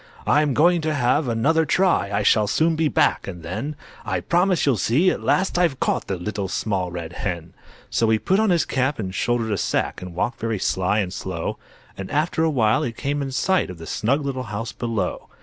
"I'm going to have another try, I shall soon be back, and then I promise you'll see at last I've caught The Little Small Red Hen." So he put on his cap and shouldered a sack, And walked very sly and slow; And after a while he came in sight Of the snug little house below.